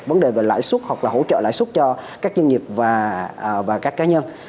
vấn đề về lãi suất hoặc là hỗ trợ lãi suất cho các doanh nghiệp và các cá nhân